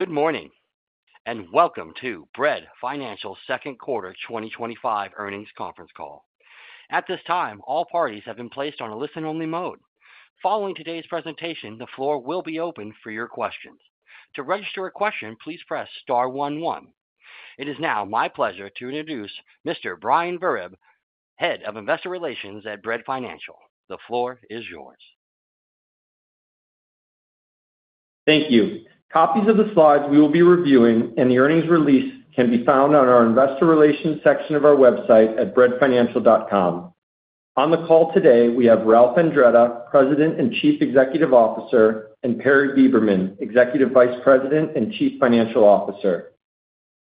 Good morning and welcome to Bread Financial Second Quarter 2025 Earnings Conference Call. At this time, all parties have been placed on a listen-only mode. Following today's presentation, the floor will be open for your questions. To register a question, please press star one one. It is now my pleasure to introduce Mr. Brian Vereb, Head of Investor Relations at Bread Financial. The floor is yours. Thank you. Copies of the slides we will be reviewing and the earnings release can be found on our investor relations section of our website at breadfinancial.com. On the call today, we have Ralph Andretta, President and Chief Executive Officer, and Perry Beberman, Executive Vice President and Chief Financial Officer.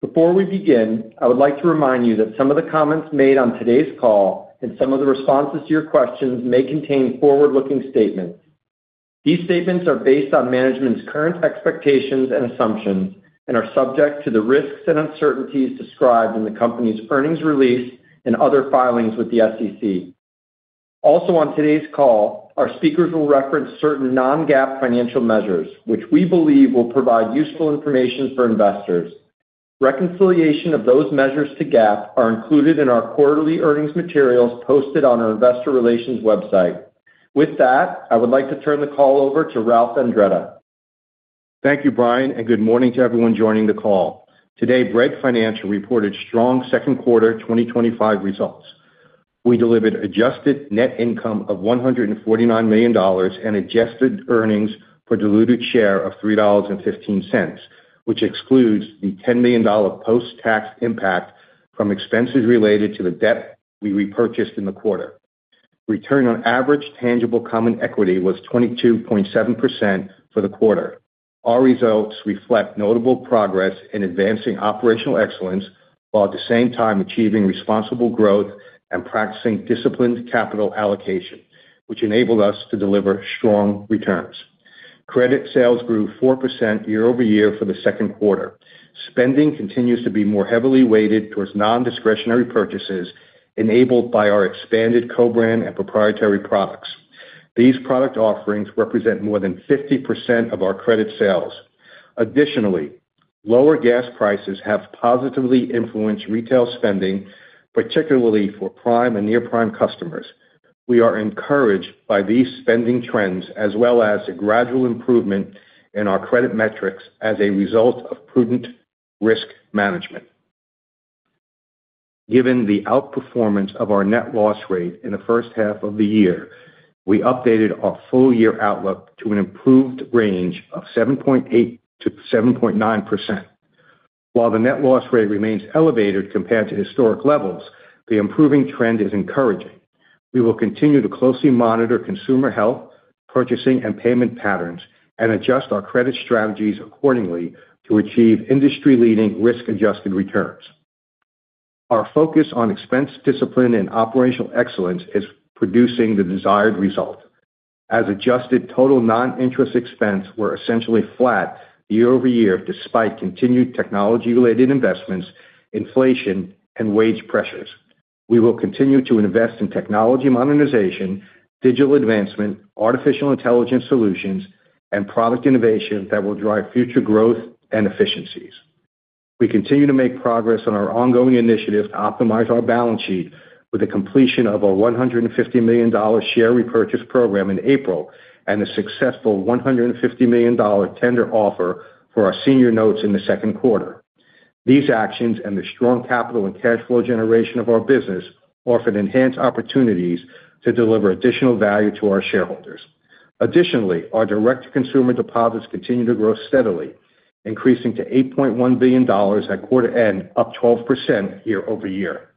Before we begin, I would like to remind you that some of the comments made on today's call and some of the responses to your questions may contain forward-looking statements. These statements are based on management's current expectations and assumptions and are subject to the risks and uncertainties described in the company's earnings release and other filings with the SEC. Also on today's call, our speakers will reference certain non-GAAP financial measures which we believe will provide useful information for investors. Reconciliation of those measures to GAAP are included in our quarterly earnings materials posted on our investor relations website. With that, I would like to turn the call over to Ralph Andretta. Thank you, Brian, and good morning to everyone joining the call. Today, Bread Financial reported strong second quarter 2025 results. We delivered adjusted net income of $149 million and adjusted earnings per diluted share of $3.15, which excludes the $10 million post-tax impact from expenses related to the debt we repurchased in the quarter. Return on average tangible common equity was 22.7% for the quarter. Our results reflect notable progress in advancing operational excellence while at the same time achieving responsible growth and practicing disciplined capital allocation, which enabled us to deliver strong returns. Credit sales grew 4% year-over-year for the second quarter. Spending continues to be more heavily weighted towards non-discretionary purchases and enabled by our expanded co-brand and proprietary products. These product offerings represent more than 50% of our credit sales. Additionally, lower gas prices have positively influenced retail spending, particularly for prime and near-prime customers. We are encouraged by these spending trends as well as a gradual improvement in our credit metrics as a result of prudent risk management. Given the outperformance of our net loss rate in the first half of the year, we updated our full year outlook to an improved range of 7.8%-7.9%. While the net loss rate remains elevated compared to historic levels, the improving trend is encouraging. We will continue to closely monitor consumer health, purchasing and payment patterns, and adjust our credit strategies accordingly to achieve industry leading risk-adjusted returns. Our focus on expense discipline and operational excellence is producing the desired result as adjusted total non-interest expense was essentially flat year-over-year, despite continued technology-related investments, inflation, and wage pressures. We will continue to invest in technology modernization, digital advancement, artificial intelligence solutions, and product innovations that will drive future growth and efficiencies. We continue to make progress on our ongoing initiative to optimize our balance sheet with the completion of a $150 million share repurchase program in April and a successful $150 million tender offer for our senior notes in the second quarter. These actions and the strong capital and cash flow generation of our business offer enhanced opportunities to deliver additional value to our shareholders. Additionally, our direct-to-consumer deposits continue to grow, steadily increasing to $8.1 billion at quarter end, up 12% year-over-year.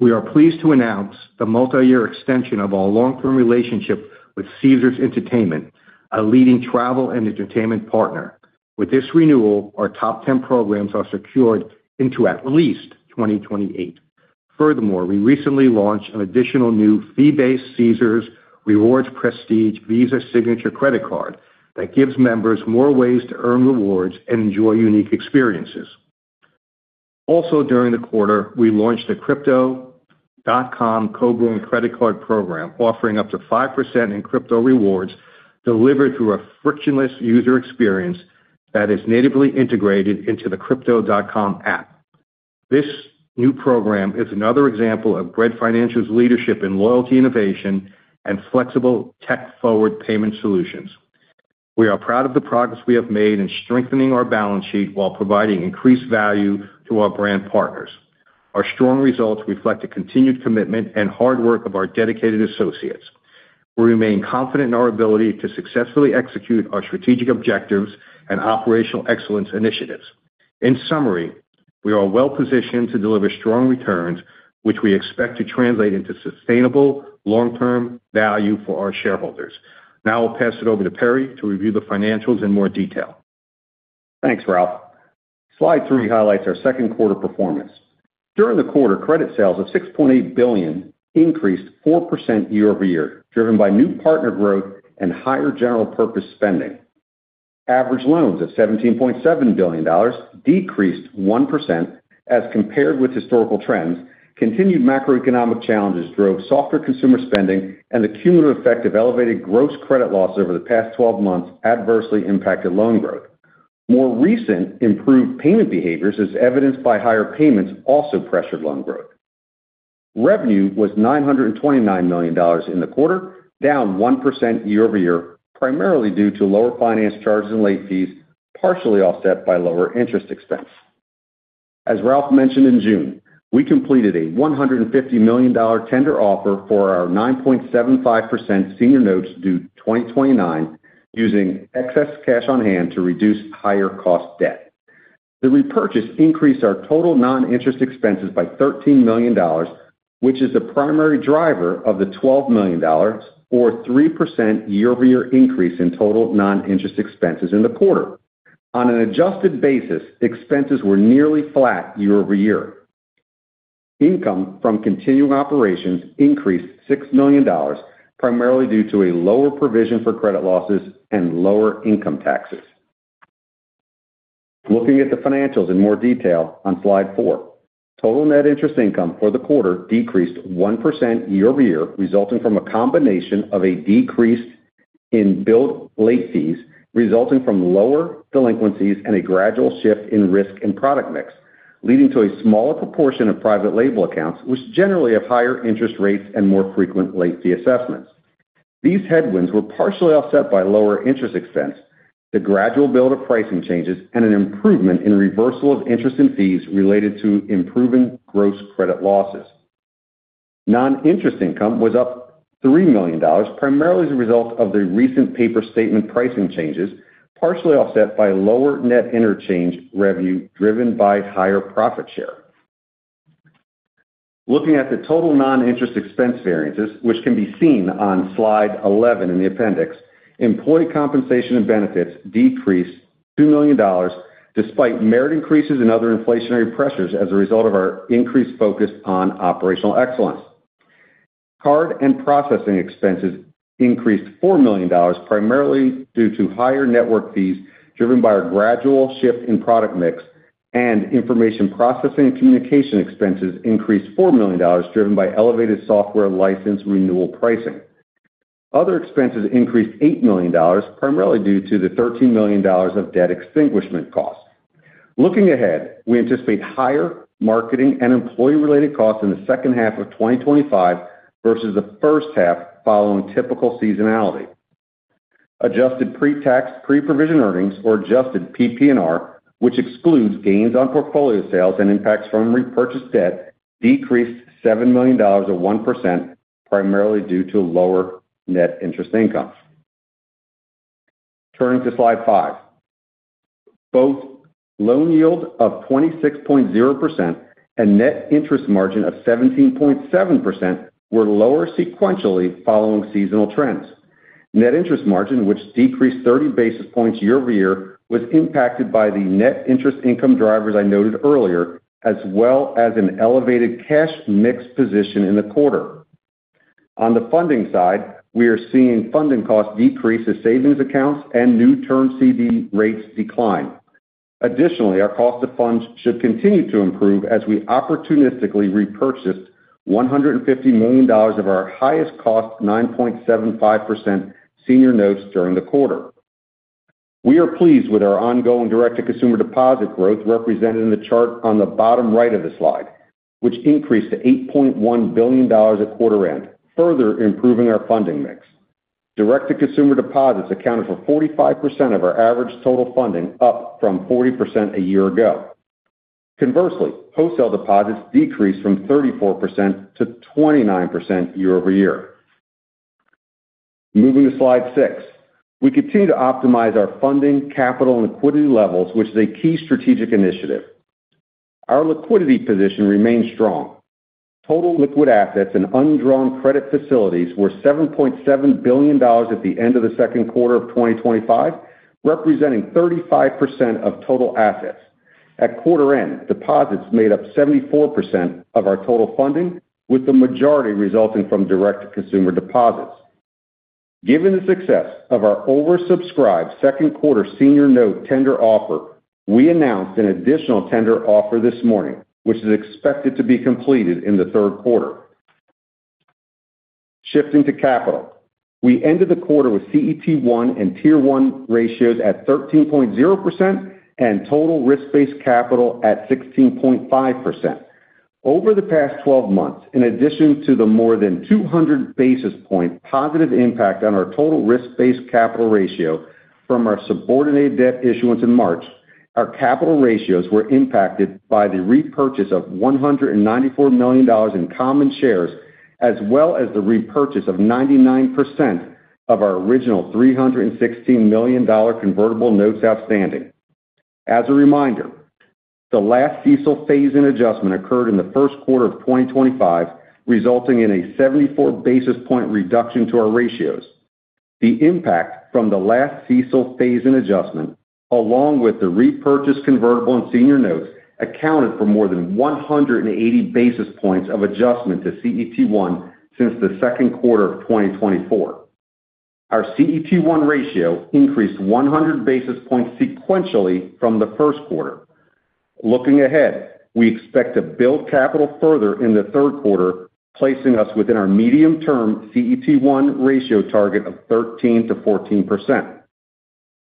We are pleased to announce the multi-year extension of our long-term relationship with Caesars Entertainment, a leading travel and entertainment partner. With this renewal, our top 10 programs are secured into at least 2028. Furthermore, we recently launched an additional new fee-based Caesars Rewards Prestige Visa Signature credit card that gives members more ways to earn rewards and enjoy unique experiences. Also during the quarter, we launched a Crypto.com co-brand credit card program offering up to 5% in crypto rewards delivered through a frictionless user experience that is natively integrated into the Crypto.com app. This new program is another example of Bread Financial's leadership in loyalty innovation and flexible tech-forward payment solutions. We are proud of the progress we have made in strengthening our balance sheet while providing increased value to our brand partners. Our strong results reflect the continued commitment and hard work of our dedicated associates. We remain confident in our ability to successfully execute our strategic objectives and operational excellence initiatives. In summary, we are well positioned to deliver strong returns which we expect to translate into sustainable long term value for our shareholders. Now I'll pass it over to Perry to review the financials in more detail. Thanks Ralph. Slide three highlights our second quarter performance. During the quarter, credit sales of $6.8 billion increased 4% year-over-year driven by new partner growth and higher general purpose spending. Average loans of $17.7 billion decreased 1% as compared with historical trends. Continued macroeconomic challenges drove softer consumer spending and the cumulative effect of elevated gross credit loss over the past 12 months adversely impacted loan growth. More recent improved payment behaviors as evidenced by higher payments also pressured loan growth. Revenue was $929 million in the quarter, down 1% year-over-year primarily due to lower finance charges and late fees, partially offset by lower interest expense. As Ralph mentioned, in June we completed a $150 million tender offer for our 9.75% senior note 2029, using excess cash on hand to reduce higher-cost debt. The repurchase increased our total non-interest expenses by $13 million, which is the primary driver of the $12 million or 3% year-over-year increase in total non-interest expenses in the quarter. On an adjusted basis, expenses were nearly flat year-over-year. Income from continuing operations increased $6 million primarily due to a lower provision for credit loss income taxes. Looking at the financials in more detail on slide four, total net interest income for the quarter decreased 1% year-over-year resulting from a combination of a decrease in billed late fees resulting from lower delinquencies and a gradual shift in risk and product mix leading to a smaller proportion of private label accounts, which generally have higher interest rates and more frequent late fee assessments. These headwinds were partially offset by lower interest expense, the gradual build of pricing changes, and an improvement in reversal of interest and fees related to improving gross credit losses. Non-interest income was up $3 million primarily as a result of the recent paper statement pricing changes, partially offset by lower net interchange revenue driven by higher profit share. Looking at the total non-interest expense variances, which can be seen on slide 11 in the appendix, employee compensation and benefits decreased $2 million despite merit increases and other inflationary pressures as a result of our increased focus on operational excellence. Card and processing expenses increased $4 million, primarily due to higher network fees driven by a gradual shift in product mix, and information processing and communication expenses increased $4 million, driven by elevated software license renewal pricing. Other expenses increased $8 million, primarily due to the $13 million of debt extinguishment costs. Looking ahead, we anticipate higher marketing and employee-related costs in the second half of 2025 versus the first half, following typical seasonality. Adjusted pre-tax, pre-provision earnings, or adjusted PPNR, which excludes gains on portfolio sales and impacts from repurchase debt, decreased $7 million or 1%, primarily due to lower net interest income. Turning to slide five, both loan yield of 26.0% and net interest margin of 17.7% were lower sequentially following seasonal trends. Net interest margin, which decreased 30 basis points year-over-year, was impacted by the net interest income drivers I noted as well as an elevated cash mix position in the quarter. On the funding side, we are seeing funding costs decrease as savings accounts and new term CD rates decline. Additionally, our cost of funds should continue to improve as we opportunistically repurchased $150 million of our highest cost 9.75% senior notes during the quarter. We are pleased with our ongoing direct-to-consumer deposit growth represented in the chart on the bottom right of the slide, which increased to $8.1 billion at quarter end, further improving our funding mix. Direct-to-consumer deposits accounted for 45% of our average total funding, up from 40% a year ago. Conversely, wholesale deposits decreased from 34% to 29% year-over-year. Moving to slide six, we continue to optimize our funding, capital, and liquidity levels, which is a key strategic initiative. Our liquidity position remains strong. Total liquid assets and undrawn credit facilities were $7.7 billion at the end of the second quarter of 2025, representing 35% of total assets. At quarter end, deposits made up 74% of our total funding, with the majority resulting from direct-to-consumer deposits. Given the success of our oversubscribed second quarter senior note tender offer, we announced an additional tender offer this morning, which is expected to be completed in the third quarter. Shifting to capital, we ended the quarter with CET1 and Tier 1 ratios at 13.0%, and total risk-based capital at 16.5% over the past 12 months. In addition to the more than 200 basis point positive impact on our total risk-based capital ratio from our subordinated debt issuance in March, our capital ratios were impacted by the repurchase of $194 million in common shares, as well as the repurchase of 99% of our original $316 million convertible notes outstanding. As a reminder, the last CECL phase-in adjustment occurred in the first quarter of 2025, resulting in a 74 basis point reduction to our ratios. The impact from the last CECL phase-in adjustment, along with the repurchase of convertible and senior notes, accounted for more than 180 basis points of adjustment to CET1 since the second quarter of 2024. Our CET1 ratio increased 100 basis points sequentially from the first quarter. Looking ahead, we expect to build capital further in the third quarter, placing us within our medium-term CET1 ratio target of 13%-14%.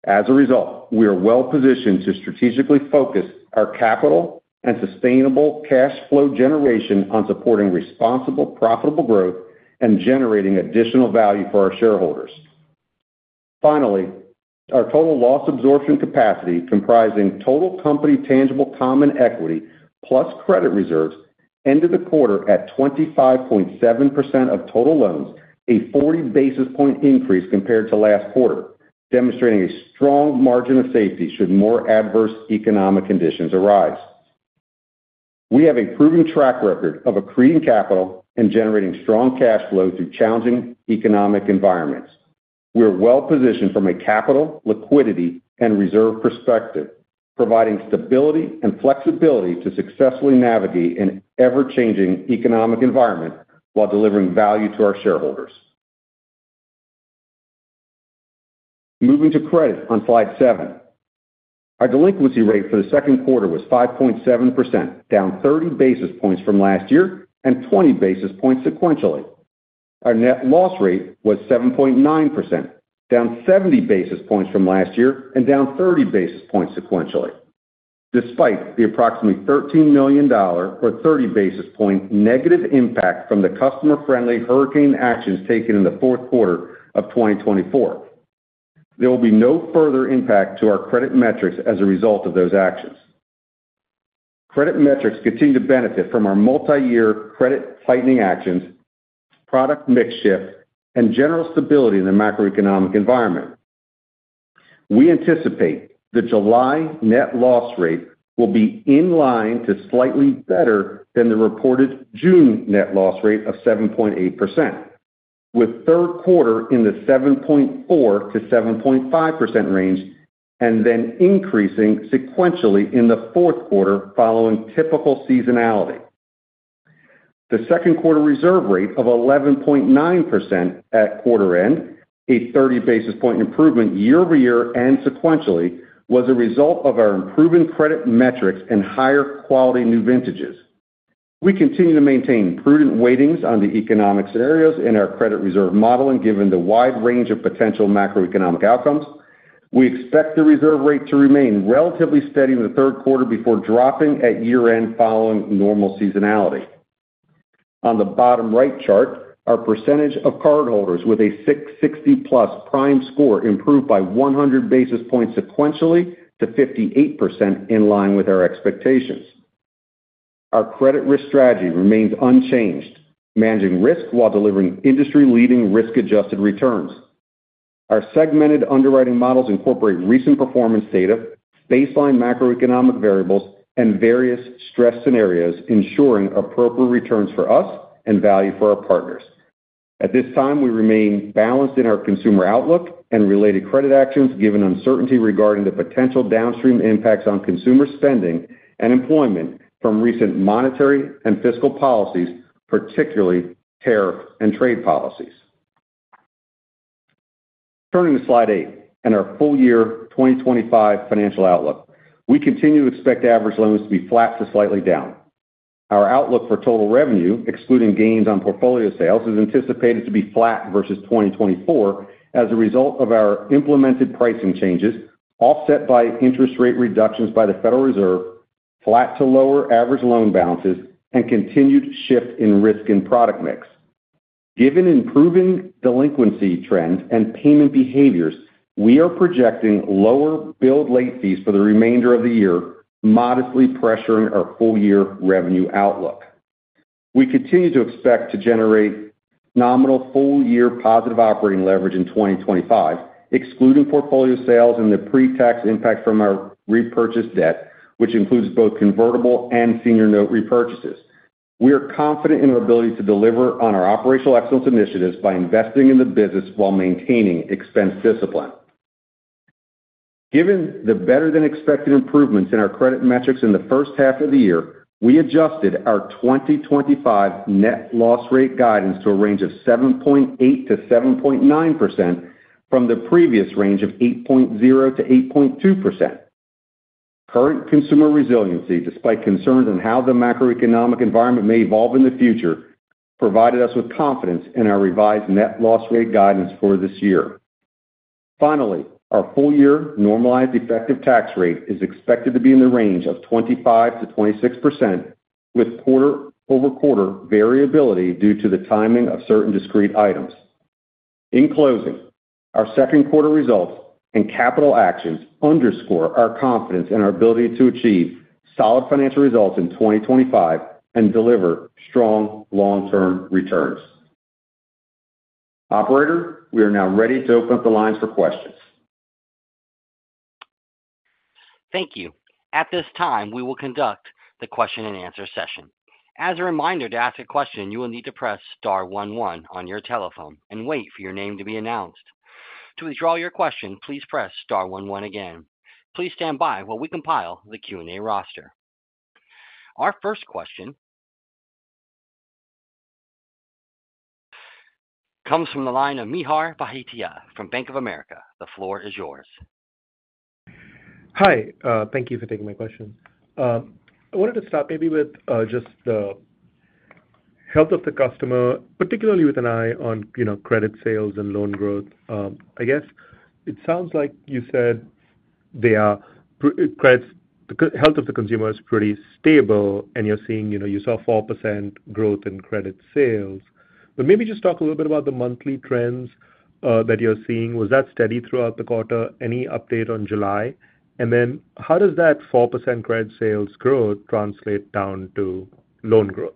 As a result, we are well positioned to strategically focus our capital and sustainable cash flow generation on supporting responsible, profitable growth and generating additional value for our shareholders. Finally, our total loss absorption capacity, comprising total company tangible common equity plus credit reserves, ended the quarter at 25.7% of total loans, a 40 basis point increase compared to last quarter, demonstrating a strong margin of safety should more adverse economic conditions arise. We have a proven track record of accreting capital and generating strong cash flow through challenging economic environments. We are well positioned from a capital, liquidity, and reserve perspective, providing stability and flexibility to successfully navigate an ever-changing economic environment while delivering value to our shareholders. Moving to credit on slide seven, our delinquency rate for the second quarter was 5.7%, down 30 basis points from last year and 20 basis points sequentially. Our net loss rate was 7.9%, down 70 basis points from last year and down 30 basis points sequentially. Despite the approximately $13 million or 30 basis point negative impact from the customer-friendly hurricane actions taken in the fourth quarter of 2024, there will be no further impact to our credit metrics as a result of those actions. Credit metrics continue to benefit from our multi-year credit tightening actions, product mix shift, and general stability in the macroeconomic environment. We anticipate the July net loss rate will be in line to slightly better than the reported June net loss rate of 7.8%, with third quarter in the 7.4%-7.5% range and then increasing sequentially in the fourth quarter following typical seasonality. The second quarter reserve rate of 11.9% at quarter end, a 30 basis point improvement year-over-year and sequentially, was a result of our improving credit metrics and higher quality new vintages. We continue to maintain prudent weightings on the economic scenarios in our credit reserve model, and given the wide range of potential macroeconomic outcomes, we expect the reserve rate to remain relatively steady in the third quarter before dropping at year end following normal seasonality. On the bottom right chart, our percentage of cardholders with a 660+ prime score improved by 100 basis points sequentially to 58%, in line with our expectations. Our credit risk strategy remains unchanged, managing risk while delivering industry-leading risk-adjusted returns. Our segmented underwriting models incorporate recent performance data, baseline macroeconomic variables, and various stress scenarios, ensuring appropriate returns for us and value for our partners. At this time, we remain balanced in our consumer outlook and related credit actions given uncertainty regarding the potential downstream impacts on consumer spending and employment from recent monetary and fiscal policies, particularly tariff and trade policies. Turning to slide eight and our full year 2025 financial outlook, we continue to expect average loans to be flat to slightly down. Our outlook for total revenue excluding gains on portfolio sales is anticipated to be flat versus 2024. As a result of our implemented pricing changes offset by interest rate reductions by the Federal Reserve, flat to lower average loan balances, and continued shift in risk and product mix. Given improving delinquency trends and payment behaviors, we are projecting lower billed late fees for the remainder of the year, modestly pressuring our full year revenue outlook. We continue to expect to generate nominal full year positive operating leverage in 2025 excluding portfolio sales and the pre-tax impact from our repurchase debt, which includes both convertible and senior note repurchases. We are confident in our ability to deliver on our operational excellence initiatives by investing in the business while maintaining expense discipline. Given the better than expected improvements in our credit metrics in the first half of the year, we adjusted our 2025 net loss rate guidance to a range of 7.8%-7.9% from the previous range of 8.0%-8.2%. Current consumer resiliency, despite concerns on how the macroeconomic environment may evolve in the future, provided us with confidence in our revised net loss rate guidance for this year. Finally, our full year normalized effective tax rate is expected to be in the range of 25%-26% with quarter-over-quarter variability due to the timing of certain discrete items. In closing, our second quarter results and capital actions underscore our confidence in our ability to achieve solid financial results in 2025 and deliver strong long term returns. Operator, we are now ready to open up the lines for questions. Thank you. At this time we will conduct the Q&A session. As a reminder, to ask a question, you will need to press star one one on your telephone and wait for your name to be announced. To withdraw your question, please press star one one again. Please stand by while we compile the Q&A roster. Our first question comes from the line of Mihir Bhatia from Bank of America. The floor is yours. Hi, thank you for taking my question. I wanted to start maybe with just the health of the customer, particularly with an eye on credit sales and loan growth. I guess it sounds like you said the health of the consumer is pretty stable and you're seeing you saw 4% growth in credit sales. Maybe just talk a little bit about the monthly trends that you're seeing. Was that steady throughout the quarter? Any update on July? How does that 4% credit sales growth translate down to loan growth?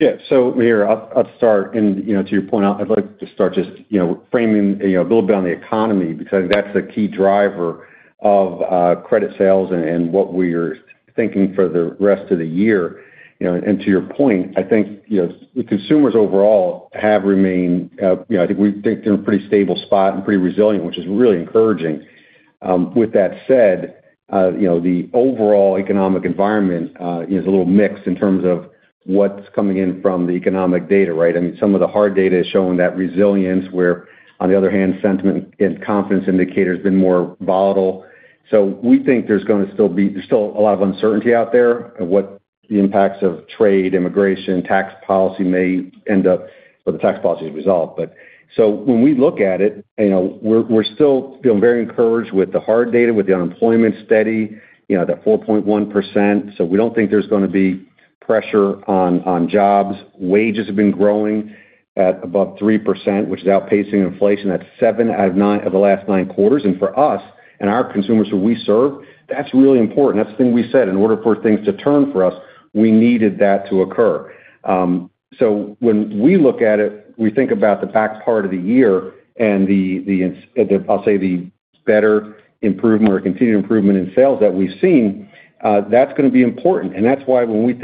Yeah, so Mihir, I'll start. To your point, I'd like to start just framing a little bit on the economy because that's a key driver of credit, sales, and what we are thinking for the rest of the year. To your point, I think the consumers overall have remained, I think we think they're in a pretty stable spot and pretty resilient, which is really encouraging. With that said, the overall economic environment is a little mixed in terms of what's coming in from the economic data. Right. I mean, some of the hard data is showing that resilience, where on the other hand, sentiment and confidence indicators have been more volatile. We think there's still going to be a lot of uncertainty out there about what the impacts of trade, immigration, tax policy may end up with the tax policy resolve. When we look at it, we're still feeling very encouraged with the hard data, with the unemployment steady at 4.1%, so we don't think there's going to be pressure on jobs. Wages have been growing at above 3%, which is outpacing inflation. That's seven out of the last nine quarters. For us and our consumers who we serve, that's really important. That's the thing we said in order for things to turn for us, we needed that to occur. When we look at it, we think about the back part of the year, and I'll say the better improvement or continued improvement in sales that we've seen, that's going to be important. That's why when we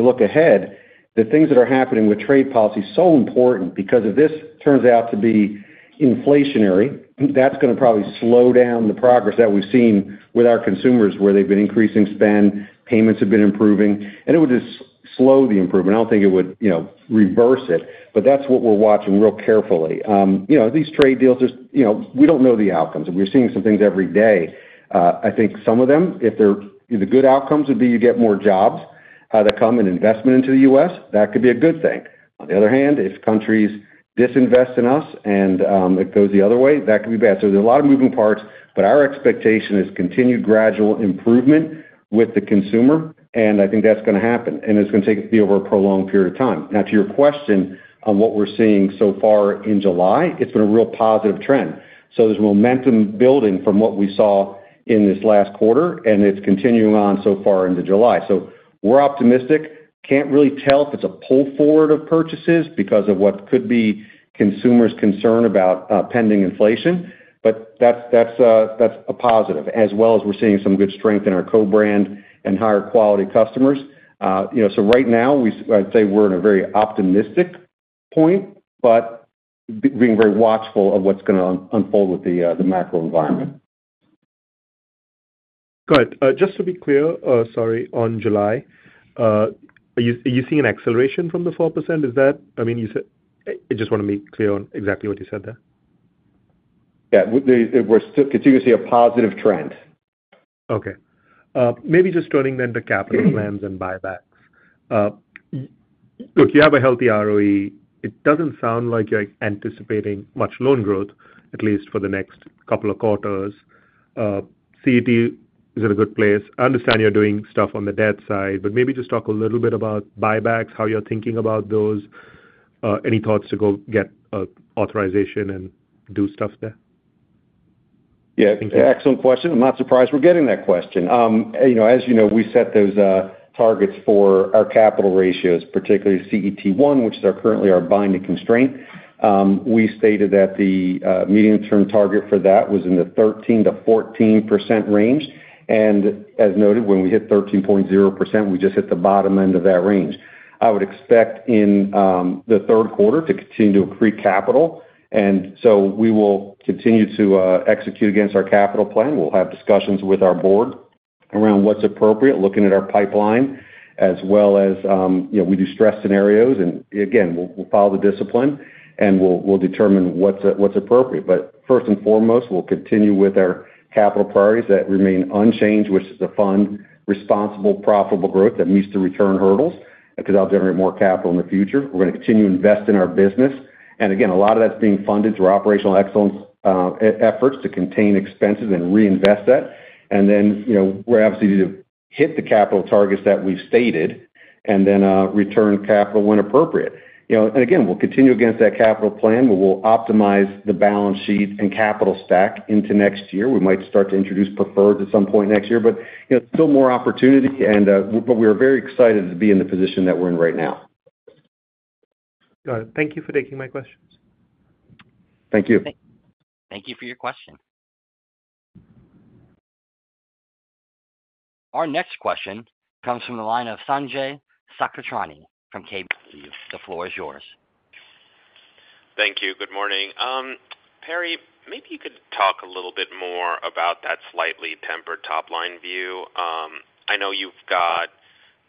look ahead, the things that are happening with trade policy are so important, because if this turns out to be inflationary, that's going to probably slow down the progress that we've seen with our consumers where they've been increasing spend, payments have been improving, and it would just slow the improvement. I don't think it would reverse it. That's what we're watching real carefully. These trade deals are still, we don't know the outcomes. We're seeing some things every day. I think some of them, if they're the good outcomes, would be you get more jobs that come in, investment into the U.S., that could be a good thing. On the other hand, if countries disinvest in the U.S. and it goes the other way, that could be bad. There's a lot of moving parts. Our expectation is continued gradual improvement with the consumer. I think that's going to happen and it's going to take over a prolonged period of time. Now, to your question on what we're seeing so far in July, it's been a real positive trend. There's momentum building from what we saw in this last quarter and it's continuing on so far into July. We're optimistic. Can't really tell if it's a pull forward of purchases because of what could be consumers' concern about pending inflation, but that's a positive as well as we're seeing some good strength in our co-brand and higher quality customers. Right now I'd say we're in a very optimistic point, but being very watchful of what's going to unfold with the macro environment. Just to be clear, sorry, on July, are you seeing an acceleration from the 4%? Is that, I mean you said. I just want to make clear on exactly what you said there. Yeah, we're still continuing to see a positive trend. Maybe just turning then to capital plans and buybacks. Look, you have a healthy ROE. It doesn't sound like you're anticipating much loan growth, at least for the next couple of quarters. CET1 is in a good place. I understand you're doing stuff on the debt side, but maybe just talk a little bit about buybacks, how you're thinking about those. Any thoughts to go get authorization and do stuff there? Yeah, excellent question. I'm not surprised we're getting that question. As you know, we set those targets for our capital ratios, particularly CET1, which is currently our binding constraint. We stated that the medium term target for that was in the 13%-14% range. As noted, when we hit 13.0%, we just hit the bottom end of that range. I would expect in the third quarter to continue to accrete capital. We will continue to execute against our capital plan. We'll have discussions with our board around what's appropriate, looking at our pipeline as well as we do stress scenarios. We'll follow the discipline and we'll determine what's appropriate. First and foremost, we'll continue with our capital priorities that remain unchanged, which is to fund responsible profitable growth that meets the return hurdles because that will generate more capital in the future. We're going to continue to invest in our business and a lot of that's being funded through operational excellence efforts to contain expenses and reinvest that. We're obviously to hit the capital targets that we've stated and then return capital when appropriate. We'll continue against that capital plan. We will optimize the balance sheet and capital stack into next year. We might start to introduce preferred at some point next year, but still more opportunity. We are very excited to be in the position that we're in right now. Thank you for taking my questions. Thank you. Thank you for your question. Our next question comes from the line of Sanjay Sakhrani from KBW. The floor is yours. Thank you. Good morning. Perry, maybe you could talk a little bit more about that slightly tempered top line view. I know you've got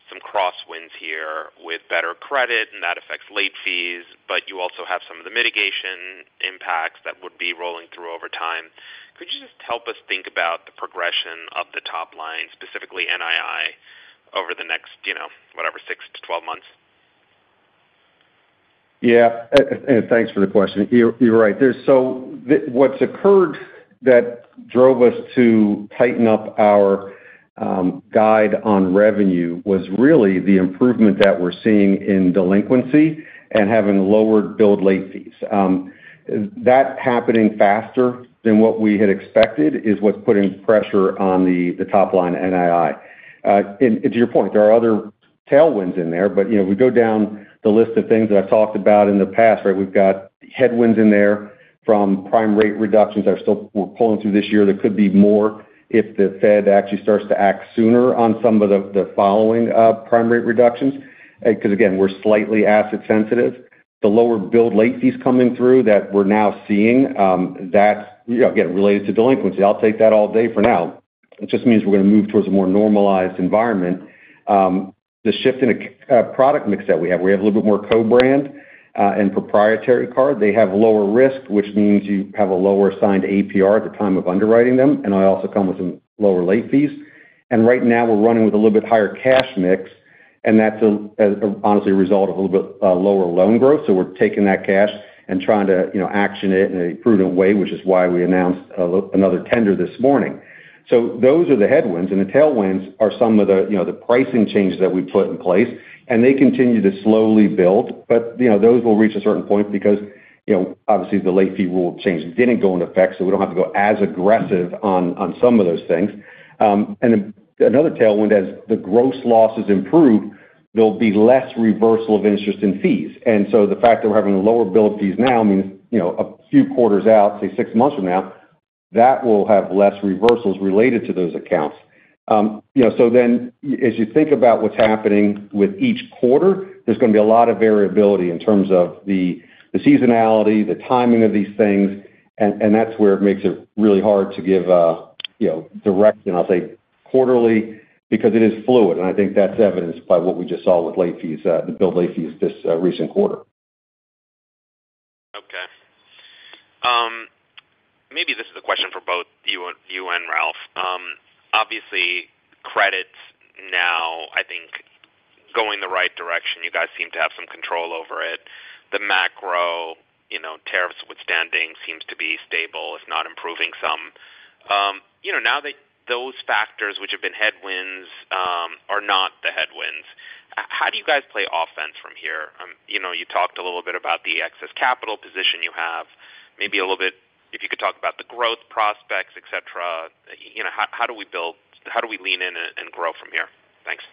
some crosswinds here with better credit and that affects late fees, but you also have some of the mitigation impacts that would be rolling through over time. Could you just help us think about the progression of the top line, specifically, NII, over the next, whatever, 6-12 months. Yeah, thanks for the question. You're right. What's occurred that drove us to tighten up our guide on revenue was really the improvement that we're seeing in delinquency and having lowered billed late fees. That happening faster than what we had expected is what's putting pressure on the top line. NII, to your point, there are other tailwinds in there, but we go down the list of things that I talked about in the past. We've got headwinds in there from prime rate reductions that are still pulling through this year. There could be more if the Fed actually starts to act sooner on some of the following prime rate reductions because, again, we're slightly asset sensitive. The lower billed late fees coming through that we're now seeing, that again is related to delinquency. I'll take that all day for now. It just means we're going to move towards a more normalized environment. The shift in a product mix that we have, we have a little bit more co-brand and proprietary card, they have lower risk, which means you have a lower assigned APR at the time of underwriting them. They also come with some lower late fees. Right now we're running with a little bit higher cash mix and that's honestly a result of a little bit lower loan growth. We're taking that cash and trying to action it in a prudent way, which is why we announced another tender this morning. Those are the headwinds and the tailwinds are some of the pricing changes that we put in place. They continue to slowly build, but those will reach a certain point because obviously the late fee rule change didn't go into effect, so we don't have to go as aggressive on some of those things. Another tailwind as the gross losses improve, there will be less reversal of interest and fees. The fact that we're having lower bill of fees now means a few quarters out, say six months from now, that will have less reversals related to those accounts. As you think about what's happening with each quarter, there's going to be a lot of variability in terms of the seasonality and the timing of these things. That makes it really hard to give direct, and I'll say quarterly, because it is fluid. I think that's evidenced by what we just saw with bill fees this recent quarter. Maybe this is a question for both you and Ralph. Obviously, credit now, I think, is going the right direction. You guys seem to have some control over it. The macro tariffs withstanding seems to be stable. It's not improving some. Now, those factors which have been headwinds are not the headwinds. How do you guys play offense from here? You talked a little bit about the excess capital position you have. Maybe a little bit, if you could talk about the growth prospects, et cetera. How do we build? How do we lean in and grow from here? Thanks.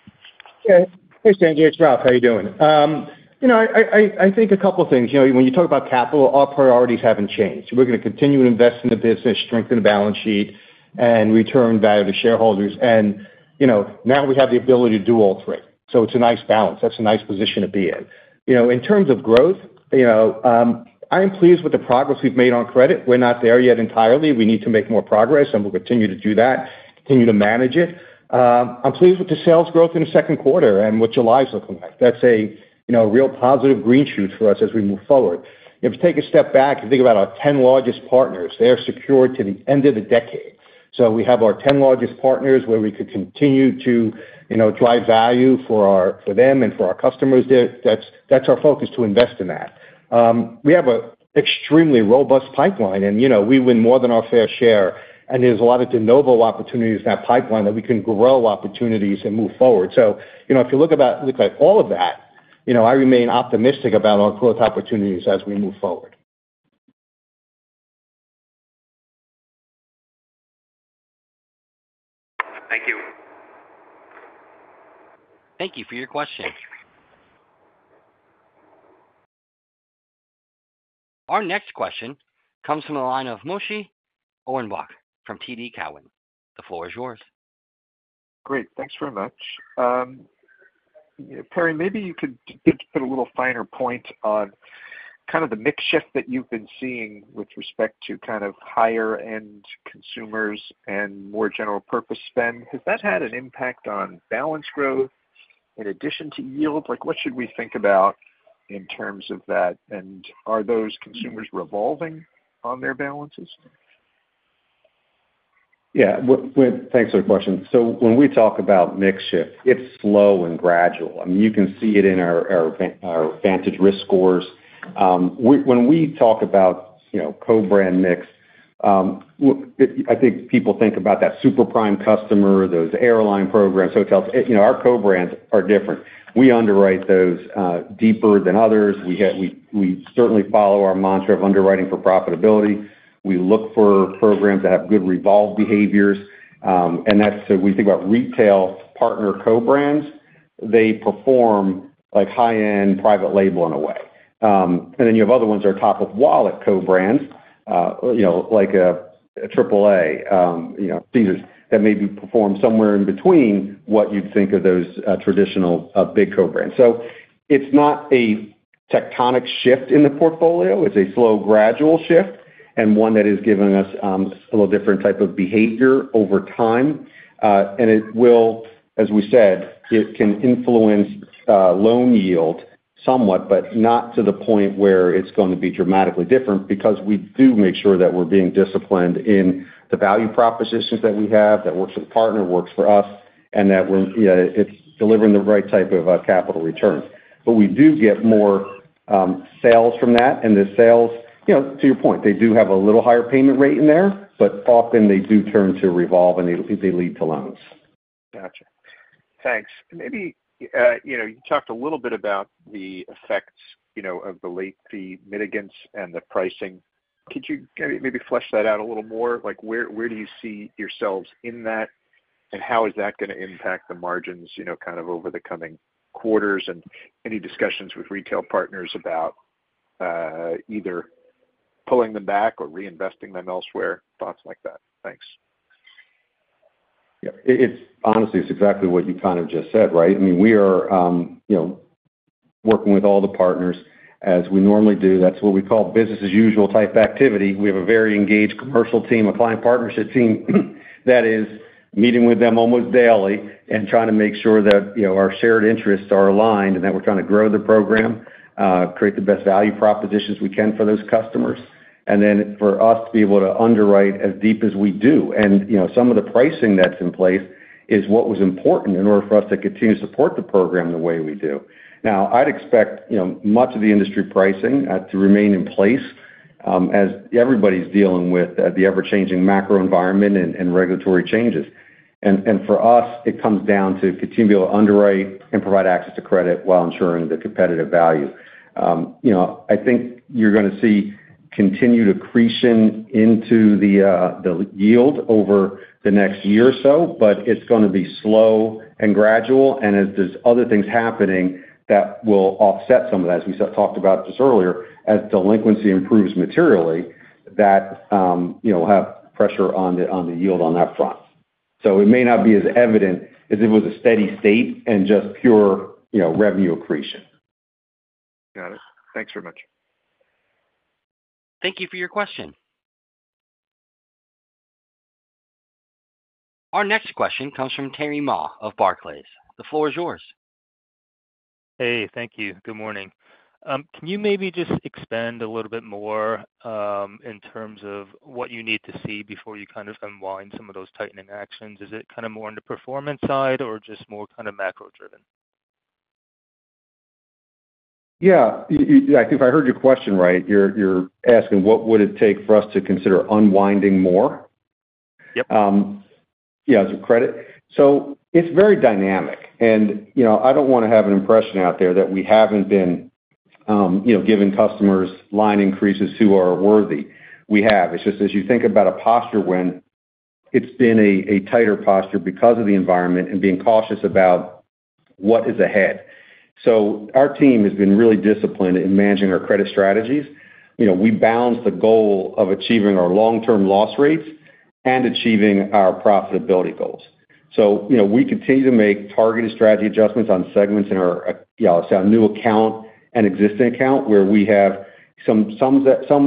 Hey, Sanjay, it's Ralph. How are you doing? I think a couple of things. When you talk about capital, our priorities haven't changed. We're going to continue to invest in the business, strengthen the balance sheet, and return value to shareholders. Now we have the ability to do all three. It's a nice balance. That's a nice position to be in. In terms of growth, I am pleased with the progress we've made on credit. We're not there yet entirely. We need to make more progress, and we'll continue to do that, continue to manage it. I'm pleased with the sales growth in the second quarter and what July's looking like. That's a real positive green shoot for us as we move forward. If you take a step back and think about our 10 largest partners, they are secured to the end of the decade. We have our 10 largest partners where we could continue to drive value for them and for our customers. That's our focus, to invest in that. We have an extremely robust pipeline, and we win more than our fair share. There are a lot of de novo opportunities in that pipeline that we can grow opportunities and move forward. If you look at all of that, I remain optimistic about our growth opportunities as we move forward. Thank you. Thank you for your question. Our next question comes from the line of Moshe Orenbuch from TD Cowen. The floor is yours. Great. Thanks very much. Perry, maybe you could put a little finer point on kind of the mix shift that you've been seeing with respect to kind of higher end consumers and more general purpose spend. Has that had an impact on balance growth in addition to yield? What should we think about in terms of that? Are those consumers revolving on their balances? Yeah, thanks for the question. When we talk about mix shift, it's slow and gradual. You can see it in our Vantage risk scores. When we talk about, you know, co-brand mix, I think people think about that super prime customer, those airline programs, hotels. Our co-brand brands are different. We underwrite those deeper than others. We certainly follow our mantra of underwriting for profitability. We look for programs that have good revolve behaviors. When you think about retail partner co-brands, they perform like high end private label in a way. You have other ones that are top of wallet co-brands like a AAA, Caesars that maybe perform somewhere in between what you'd think of those traditional big co-brands. It's not a tectonic shift in the portfolio, it's a slow gradual shift and one that is giving us a little different type of behavior over time. It will, as we said, it can influence loan yield somewhat, but not to the point where it's going to be dramatically different because we do make sure that we're being disciplined in the value propositions that we have that works with partner, works for us, and that it's delivering the right type of capital return. We do get more sales from that. The sales, to your point, do have a little higher payment rate in there, but often they do turn to revolving, they lead to loans. Gotcha. Thanks. Maybe, you know, you talked a little bit about the effects of the late fee mitigants and the pricing. Could you maybe flesh that out a little more? Where do you see yourselves in that and how is that going to impact the margins over the coming quarters and any discussions with retail partners about either pulling them back or reinvesting them elsewhere, thoughts like that. Thanks. Honestly, it's exactly what you kind of just said. We are working with all the partners as we normally do. That's what we call business as usual type activity. We have a very engaged commercial team, a client partnership team that is meeting with them almost daily and trying to make sure that our shared interests are aligned and that we're trying to grow the program, create the best value propositions we can for those customers. For us to be able to underwrite as deep as we do and some of the pricing that's in place is what was important in order for us to continue to support the program the way we do now. I'd expect much of the industry pricing to remain in place as everybody's dealing with the ever-changing macro environment and regulatory changes. For us, it comes down to continuing to underwrite and provide access to credit while ensuring the competitive value. I think you're going to see continued accretion into the yield over the next year or so, but it's going to be slow as there are other things happening that will offset some of that. As we talked about just earlier, as delinquency improves materially, that will have pressure on the yield on that front. It may not be as evident as it was in a steady state and just pure revenue accretion. Got it. Thanks very much. Thank you for your question. Our next question comes from Terry Ma of Barclays. The floor is yours. Hey, thank you. Good morning. Can you maybe just expand a little bit more in terms of what you need to see before you kind of unwind some of those tightening actions? Is it kind of more on the performance side or just more kind of macro driven? Yeah. If I heard your question right, you're asking what would it take for us to consider unwinding more. Yeah, credit. It's very dynamic and I don't want to have an impression out there that we haven't been giving customers line increases who are worthy. We have. It's just as you think about a posture when it's been a tighter posture because of the environment and being cautious about what is ahead. Our team has been really disciplined in managing our credit strategies. We balance the goal of achieving our long-term loss rates and achieving our profitability goals. We continue to make targeted strategy adjustments on segments in our new account and existing account where we have some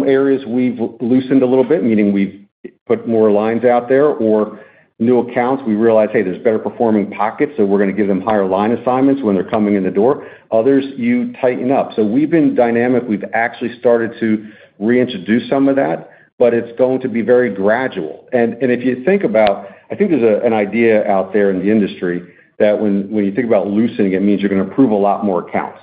areas we've loosened a little bit, meaning we've put more lines out there or new accounts, we realize, hey, there's better performing pockets, so we're going to give them higher line assignments when they're coming in the door. Others you tighten up. We have been dynamic. We have actually started to reintroduce some of that, but it is going to be very gradual. If you think about it, I think there is an idea out there in the industry that when you think about loosening, it means you are going to approve a lot more accounts.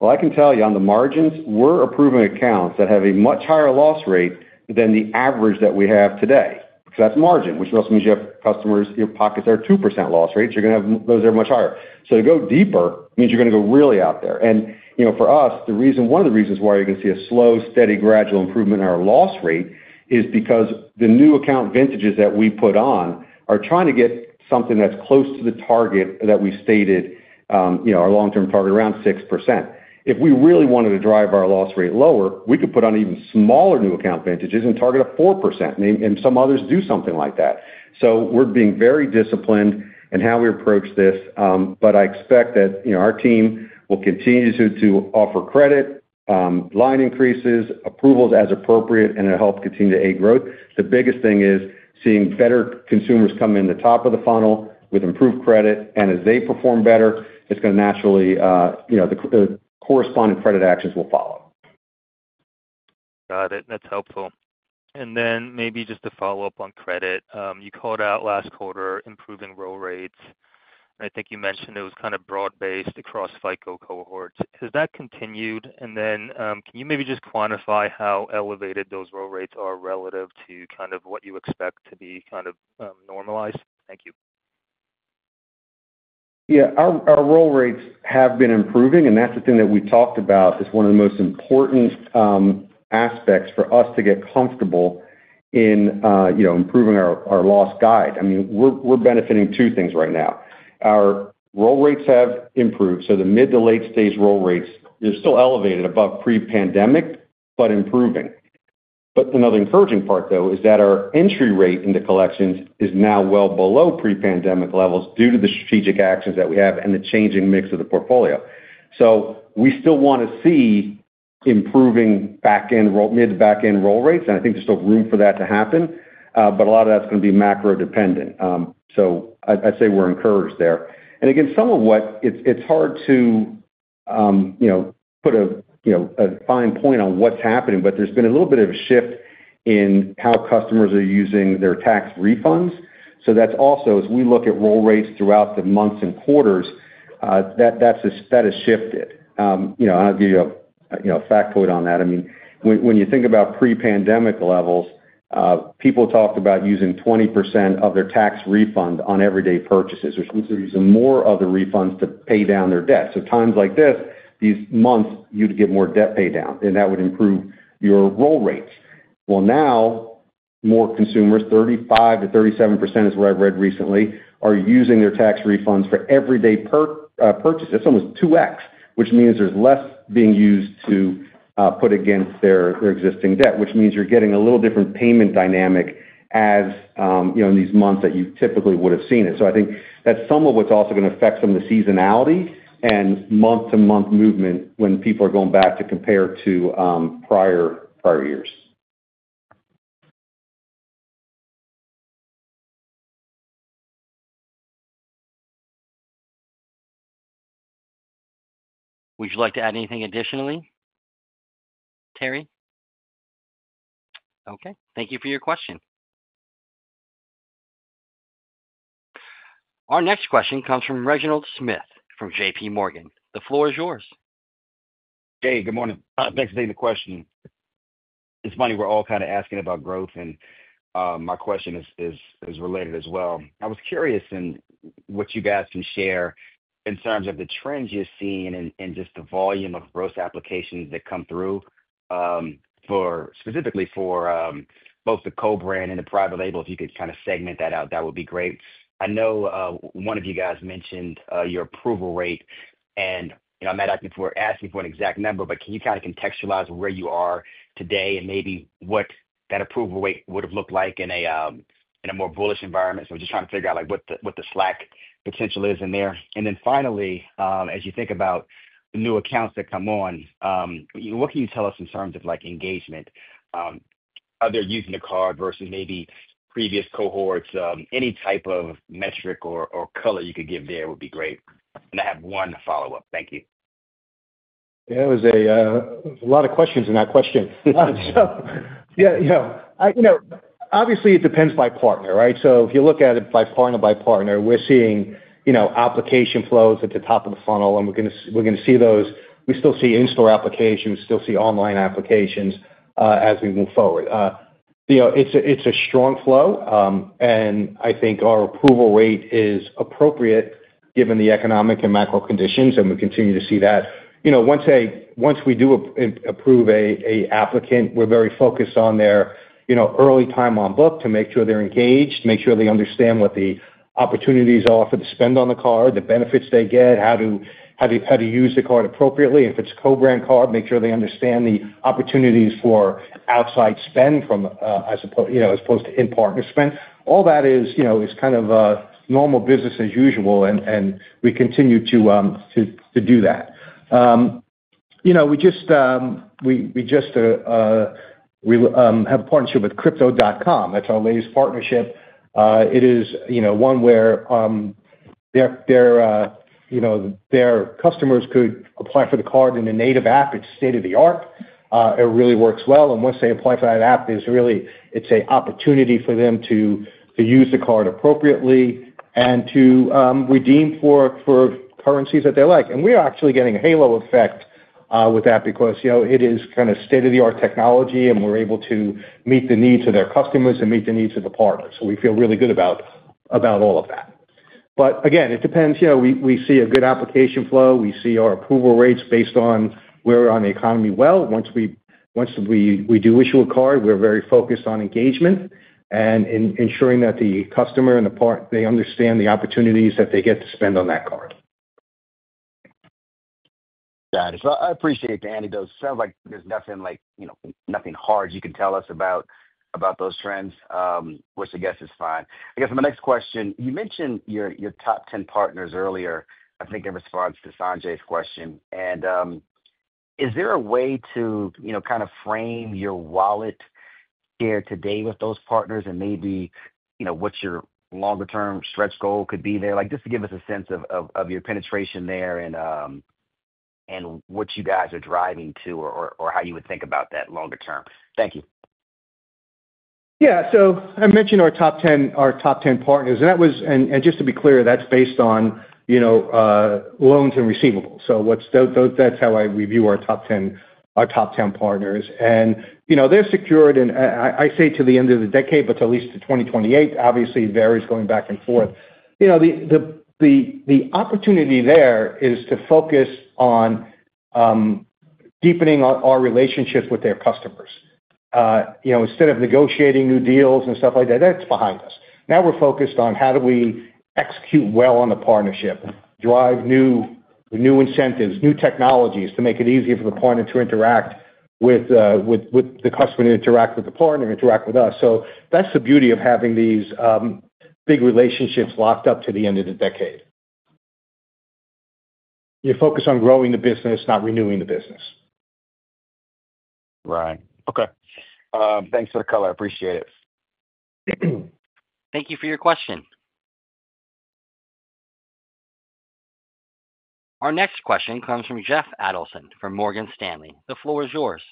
I can tell you on the margins we are approving accounts that have a much higher loss rate than the average that we have today because that is margin, which also means you have customers, your pockets are 2% loss rates, you are going to have those that are much higher. To go deeper means you are going to go really out there. For us, the reason, one of the reasons why you are going to see a slow, steady, gradual improvement in our loss rate is because the new account vintages that we put on are trying to get something that is close to the target that we stated, our long-term target, around 6%. If we really wanted to drive our loss rate lower, we could put on even smaller new account vintages and target a 4%, and some others do something like that. We are being very disciplined in how we approach this. I expect that our team will continue to offer credit line increases, approvals as appropriate, and it will help continue to aid growth. The biggest thing is seeing better consumers come in the top of the funnel with improved credit, and as they perform better, the corresponding credit actions will follow. Got it. That is helpful. Maybe just to follow up on credit, you called out last quarter improving roll rates. I think you mentioned it was kind of broad-based across FICO cohorts. Has that continued? Can you maybe just quantify how elevated those roll rates are relative to what you expect to be normalized? Thank you. Our roll rates have been improving, and that is the thing that we talked about as one of the most important aspects for us to get comfortable in improving our loss guide. We are benefiting from two things right now. Our roll rates have improved, so the mid-to-late stage roll rates, they are still elevated above pre-pandemic, but improving. Another encouraging part is that our entry rate into collections is now well below pre-pandemic levels due to the strategic actions that we have and the changing mix of the portfolio. We still want to see improving back-end, mid-to-back-end roll rates and I think there's still room for that to happen, but a lot of that's going to be macro dependent. I'd say we're encouraged there. Again, some of what it's hard to put a fine point on what's happening, but there's been a little bit of a shift in how customers are using their tax refunds. As we look at roll rates throughout the months and quarters, that has shifted. I'll give you a factoid on that. When you think about pre-pandemic levels, people talked about using 20% of their tax refund on everyday purchases, which means they're using more of the refunds to pay down their debt. Times like this, these months, you'd get more debt pay down and that would improve your roll rates. Now more consumers, 35%-37% is what I've read recently, are using their tax refunds for everyday purchases, which means there's less being used to put against their existing debt, which means you're getting a little different payment dynamic as you know in these months than you typically would have seen. I think that some of what's also going to affect some of the seasonality and month-to-month movement when people are going back to compare to prior years. Would you like to add anything additionally, Terry? Okay, thank you for your question. Our next question comes from Reginald Smith from JPMorgan. The floor is yours. Hey, good morning. Thanks for taking the question. It's funny, we're all kind of asking about growth and my question is related as well. I was curious what you guys can share in terms of the trends you're seeing and just the volume of gross applications that come through specifically for both the co-brand and the private label. If you could kind of segment that out, that would be great. I know one of you guys mentioned your approval rate and if we're asking for an exact number, but can you kind of contextualize where you are today and maybe what that approval rate would have looked like in a more bullish environment? Just trying to figure out what the slack potential is in there. Finally, as you think about new accounts that come on, what can you tell us in terms of engagement, are they using the card versus maybe previous cohorts, any type of metric or color you could give there would be great. I have one follow up. Thank you. It was a lot of questions in that question. Obviously it depends by partner. If you look at it by partner by partner, we're seeing application flows at the top of the funnel and we see those. We still see in-store applications, still see online applications as we move forward. It's a strong flow and I think our approval rate is appropriate given the economic and macro conditions. We continue to see that once we do approve an applicant, we're very focused on their early time on book to make sure they're engaged, make sure they understand what the opportunities are for the spend on the card, the benefits they get, how to use the card appropriately. If it's a co-brand credit card, make sure they understand the opportunities for outside spend as opposed to in-partnership spend. All that is kind of normal business as usual and we continue to do that. We just have a partnership with Crypto.com, that's our latest partnership. It is one where their customers could apply for the card in a native app. It's state of the art. It really works well. Once they apply for that app, it's an opportunity for them to use the card appropriately and to redeem for currencies that they like. We're actually getting a halo effect with that because it is kind of state-of-the-art technology and we're able to meet the needs of their customers and meet the needs of the partners. We feel really good about all of that. Again, it depends. We see a good application flow, we see our approval rates based on where we are in the economy. Once we do issue a card, we're very focused on engagement and ensuring that the customer and the partner understand the opportunities that they get to spend on that card. Got it. I appreciate the anecdote. Sounds like there's nothing hard you can tell us about those trends, which I guess is fine. My next question, you mentioned your top 10 partners earlier, I think in response to Sanjay's question. Is there a way to kind of frame your wallet here today with those partners and maybe what your longer-term stretch goal could be there just to give us a sense of your penetration there and what you guys are driving to or how you would think about that longer term? Thank you. Yeah, I mentioned our top 10 partners and just to be clear, that's based on loans and receivables. That's how we view our top 10. Our top 10 partners, and you know, they're secured, and I say to the end of the decade, but to at least to 2028. Obviously, varies going back and forth. You know, the opportunity there is to focus on deepening our relationships with their customers, you know, instead of negotiating new deals and stuff like that. That's behind us now. We're focused on how do we execute well on the partnership, drive new incentives, new technologies to make it easier for the partner to interact with the customer, interact with the partner, interact with us. That's the beauty of having these big relationships locked up to the end of the decade. You focus on growing the business, not renewing the business. Right. Okay. Thanks for the color. I appreciate it. Thank you for your question. Our next question comes from Jeff Adelson from Morgan Stanley. The floor is yours.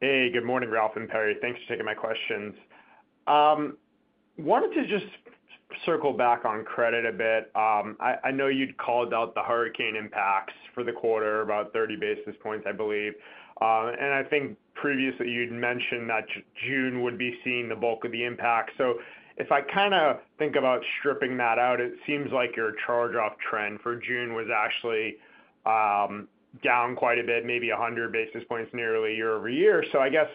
Hey, good morning Ralph and Perry. Thanks for taking my questions. Wanted to just circle back on credit a bit. I know you'd called out the hurricane impacts for the quarter, about 30 basis points, I believe. And I think previously you'd mentioned that June would be seeing the bulk of the impact. If I think about stripping that out, it seems like your charge-off trend for June was actually down quite a bit, maybe 100 basis points nearly year-over-year, I guess.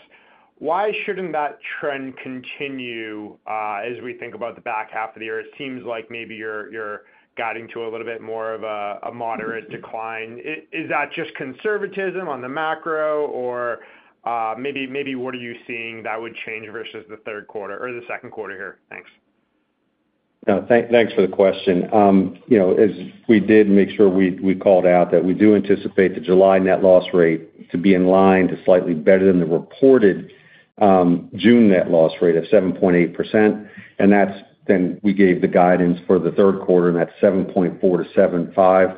Why shouldn't that trend continue? As we think about the back half of the year, it seems like maybe you're guiding to a little bit more of a moderate decline. Is that just conservatism on the macro, or maybe what are you seeing that would change versus the third quarter or the second quarter here? Thanks. Thanks for the question. As we did make sure we called out, we do anticipate the July net loss rate to be in line to slightly better than the reported June net loss rate of 7.8%. We gave the guidance for the third quarter, and that's 7.4%-7.5%.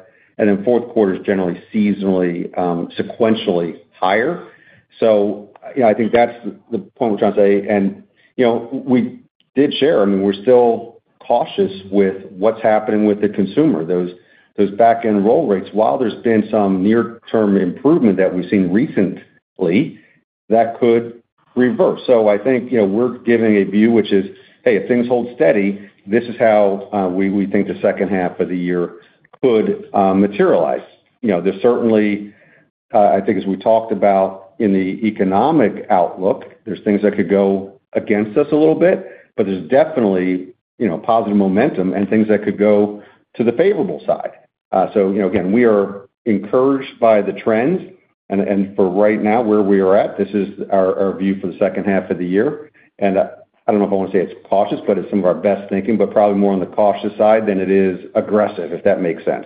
Fourth quarter is generally seasonally, sequentially higher. I think that's the point we're trying to say, and we did share, I mean, we're still cautious with what's happening with the consumer. Those back-end roll rates, while there's been some near term improvement that we've seen recently, that could reverse. I think we're giving a view which is, hey, if things hold steady, this is how we think the second half of the year could materialize. There's certainly, I think as we talked about in the economic outlook, there's things that could go against us a little bit, but there's definitely positive momentum and things that could go to the favorable side. We are encouraged by the trends and for right now where we are at, this is our view for the second half of the year. I don't know if I want to say it's cautious, but it's some of our best thinking, but probably more on the cautious side than it is aggressive, if that makes sense.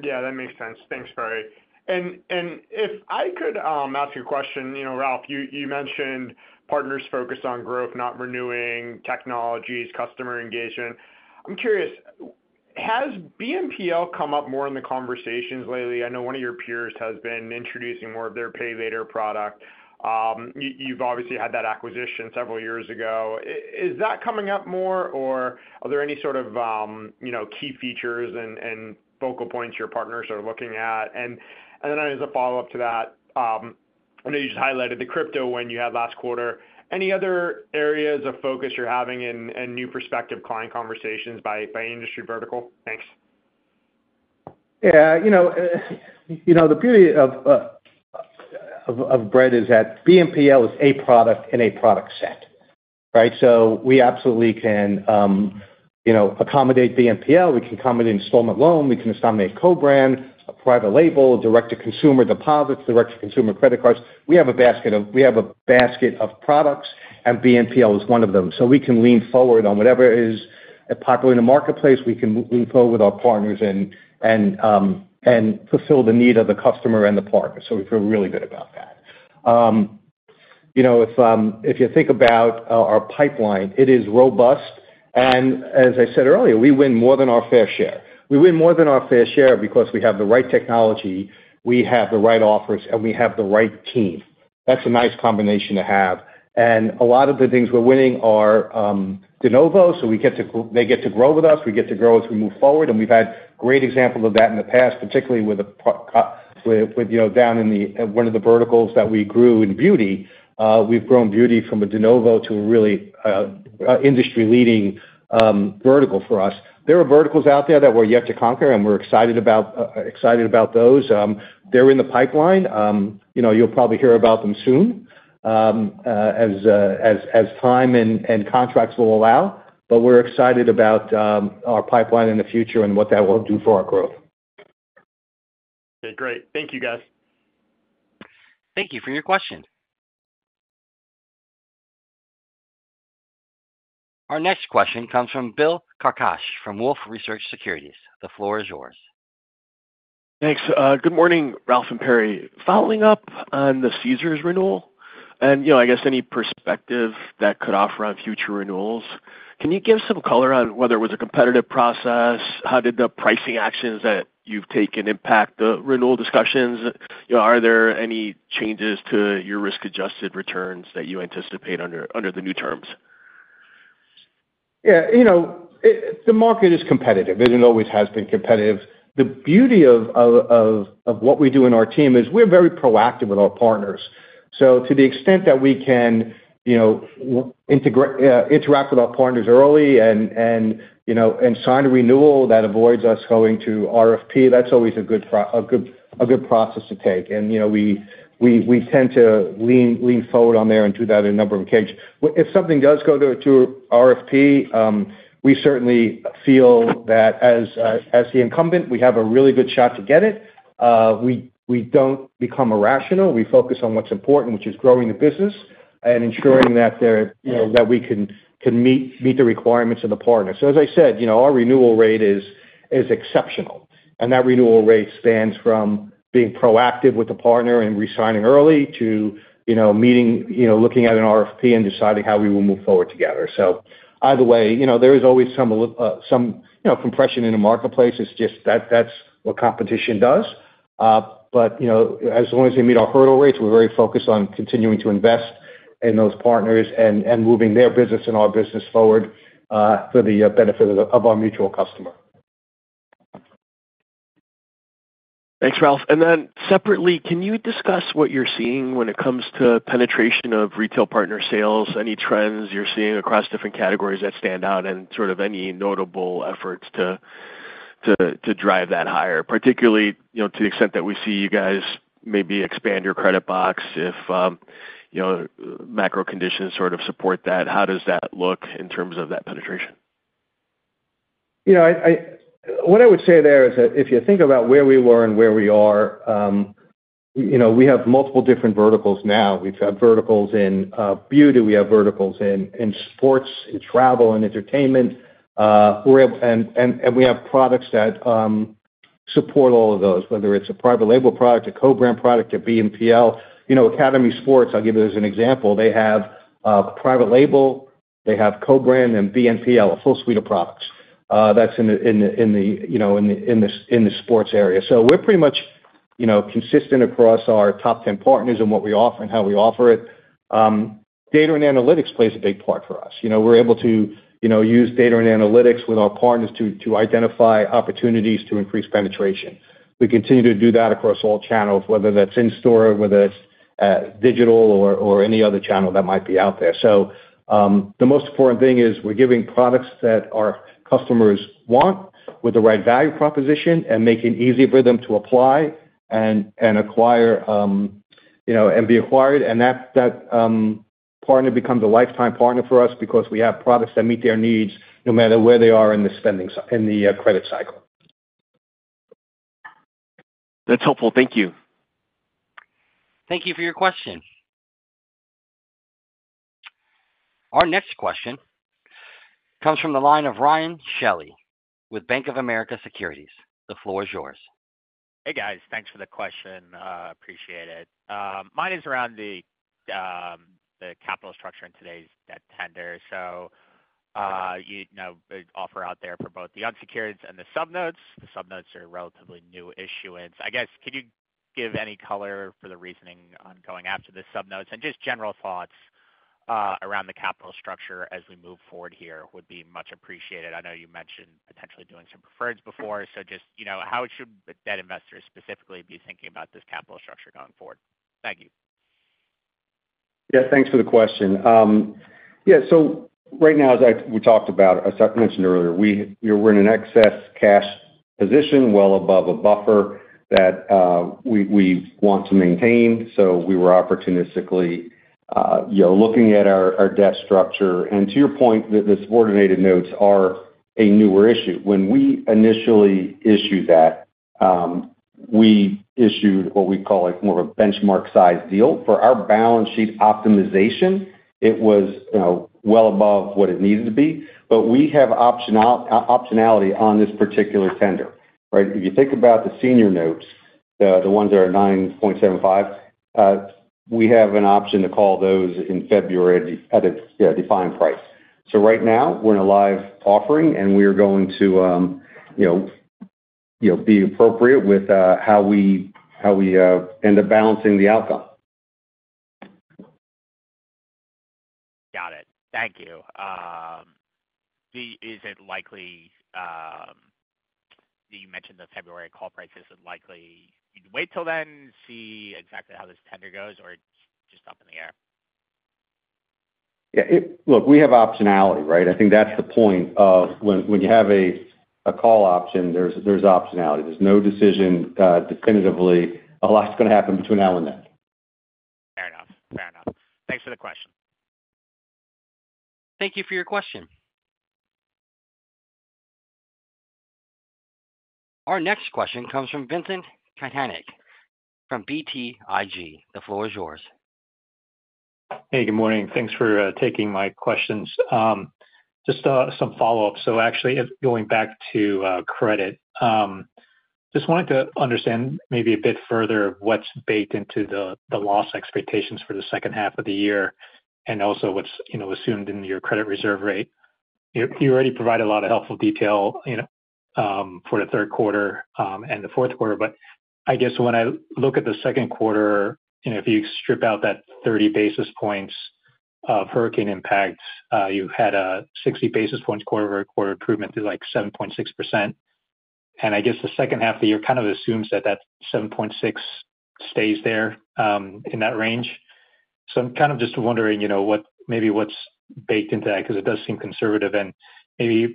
Yeah, that makes sense. Thanks, Perry. If I could ask a question, Ralph, you mentioned partners focused on growth, not renewing technologies, customer engagement. I'm curious, has BNPL come up more in the conversations lately? I know one of your peers has been introducing more of their pay later product. You've obviously had that acquisition several years ago. Is that coming up more or are there any sort of key features and focal points your partners are looking at? As a follow up to that, I know you just highlighted the crypto win you had last quarter. Any other areas of focus you're having in new prospective client conversations by industry vertical? Thanks. Yeah. The beauty of Bread Financial is that BNPL is a product and a product set. We absolutely can accommodate BNPL, we can accommodate installment loan, we can accommodate co-brand, a private label, direct-to-consumer deposits, direct-to-consumer credit cards. We have a basket of products and BNPL is one of them. We can lean forward on whatever is popular in the marketplace. We can lean forward with our partners and fulfill the need of the customer and the partner. We feel really good about that. If you think about our pipeline, it is robust and as I said earlier, we win more than our fair share. We win more than our fair share because we have the right technology, we have the right offers and we have the right team. That's a nice combination to have. A lot of the things we're winning are de novo. They get to grow with us. We get to grow as we move forward. We've had great examples of that in the past, particularly with a down in one of the verticals that we grew in beauty. We've grown beauty from a de novo to a really industry leading vertical for us. There are verticals out there that we're yet to conquer and we're excited about those. They're in the pipeline. You'll probably hear about them soon as time and contracts will allow. We're excited about our pipeline in the future and what that will do for our growth. Okay, great. Thank you guys. Thank you for your question. Our next question comes from Bill Carcache from Wolfe Research Securities. The floor is yours. Thanks. Good morning, Ralph and Perry. Following up on the Caesars renewal, any perspective that you could offer on future renewals? Can you give some color on whether it was a competitive process? How did the pricing actions that you've taken impact the renewal discussions? Are there any changes to your risk-adjusted returns that you anticipate under the new terms? Yeah, the market is competitive. It always has been competitive. The beauty of what we do in our team is we're very proactive with our partners. To the extent that we can interact with our partners early and sign a renewal, that avoids us going to RFP. That's always a good process to take. We tend to lean forward on there and do that in a number of occasions. If something does go to RFP, we certainly feel that as the incumbent, we have a really good shot to get it. We don't become irrational. We focus on what's important, which is growing the business and ensuring that we can meet the requirements of the partner. As I said, our renewal rate is exceptional. That renewal rate spans from being proactive with the partner and resigning early to looking at an RFP and deciding how we will move forward together. Either way, there is always some compression in the marketplace. That's what competition does. As long as they meet our hurdle rates, we're very focused on continuing to invest in those partners and moving their business and our business forward for the benefit of our mutual customer. Thanks, Ralph. Separately, can you discuss what you're seeing when it comes to penetration of retail partner sales? Any trends you're seeing across different categories that stand out and any notable efforts to drive that higher, particularly to the extent that we see you guys maybe expand your credit box if macro conditions support that? How does that look in terms of that penetration? What I would say there is that if you think about where we were and where we are, we have multiple different verticals now. We've got verticals in beauty, we have verticals in sports, in travel and entertainment, and we have products that support all of those, whether it's a private label product, a co-brand product, a BNPL. Academy Sports, I'll give it as an example. They have private label, they have co-brand and BNPL, a full suite of products that's in the sports area. We're pretty much consistent across our top 10 partners in what we offer and how we offer it. Data and analytics play a big part for us. We're able to use data and analytics with our partners to identify opportunities to increase penetration. We continue to do that across all channels, whether that's in store, whether it's digital or any other channel that might be out there. The most important thing is we're giving products that our customers want with the right value proposition and making it easy for them to apply and acquire, and be acquired. That partner becomes a lifetime partner for us because we have products that meet their needs no matter where they are in the spending in the credit cycle. That's helpful. Thank you. Thank you for your question. Our next question comes from the line of Ryan Shelley with Bank of America Securities. The floor is yours. Hey guys, thanks for the question, appreciate it. Mine is around the capital structure in today's debt tender. Offer out there for both the unsecured and the sub notes. The sub notes are relatively new issuance, I guess. Could you give any color for the reasoning on going after the sub notes and just general thoughts around the capital structure as we move forward here would be much appreciated. I know you mentioned potentially doing some preferreds before. Just how should debt investors specifically be thinking about this capital structure going forward? Thank you. Yeah, thanks for the question. Right now, as we talked about, as I mentioned earlier, we were in an excess cash position, well above a buffer that we want to maintain. We were opportunistically looking at our debt structure and to your point that the subordinated notes are a newer issue. When we initially issued that, we issued what we call more of a benchmark size deal for our balance sheet optimization, it was well above what it needed to be. We have optionality on this particular tender. If you think about the senior notes, the ones that are 9.75%, we have an option to call those in February at a defined price. Right now we're in a live offering and we are going to be appropriate with how we end up balancing the outcome. Got it, thank you. Is it likely you mentioned the February call price isn't likely to wait till then, see exactly how this tender goes or just up in the air. Look, we have optionality, right? I think that's the point of when you have a call option, there's optionality. There's no decision definitively. A lot's going to happen between now and then. Fair enough, fair enough. Thanks for the question. Thank you for your question. Our next question comes from Vincent Caintic from BTIG. The floor is yours. Hey, good morning. Thanks for taking my questions. Just some follow up. Actually, going back to credit, just wanted to understand maybe a bit further of what's baked into the loss expectations for the second half of the year and also what's assumed in your credit reserve rate. You already provided a lot of helpful detail for the third quarter and the fourth quarter. When I look at the second quarter, if you strip out that 30 basis points of hurricane impact, you had a 60 basis points quarter-over-quarter improvement to like 7.6%. The second half of the year kind of assumes that 7.6% stays there in that range. I'm kind of just wondering what maybe what's baked into that because it does seem conservative and maybe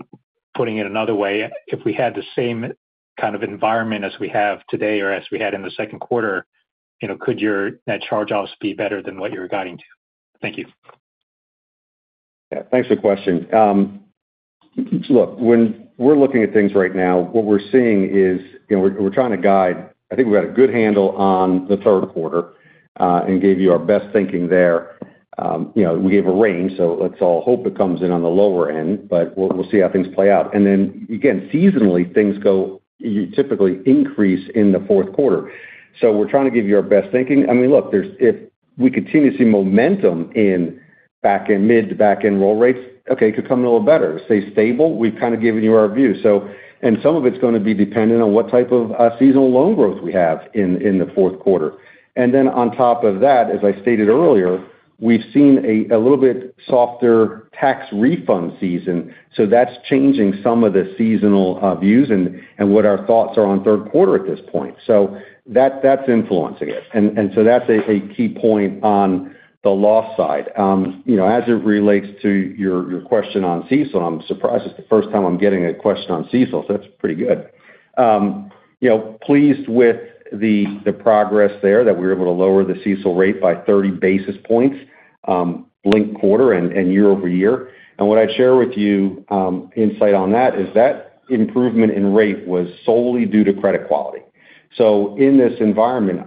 putting it another way, if we had the same kind of environment as we have today or as we had in the second quarter, could your charge offs be better than what you're guiding to? Thank you. Thanks for the question. When we're looking at things right now, what we're seeing is we're trying to guide. I think we've got a good handle on the third quarter and gave you our best thinking there. We gave a range so let's all hope it comes in on the lower end but we'll see how things play out. Seasonally, things go, you typically increase in the fourth quarter. We're trying to give you our best thinking. If we continue to see momentum in mid-to-back-end roll rates, it could come a little better, stay stable. We've kind of given you our view and some of it's going to be dependent on what type of seasonal loan growth we have in the fourth quarter. As I stated earlier, we've seen a little bit softer tax refund season. That's changing some of the seasonal views and what our thoughts are on third quarter at this point. That's influencing it. That's a key point on the loss side as it relates to your question on CECL. I'm surprised it's the first time I'm getting a question on CECL, so that's pretty good. Pleased with the progress there that we were able to lower the CECL rate by 30 basis points linked quarter and year-over-year. What I'd share with you, insight on that is that improvement in rate was solely due to credit quality. In this environment,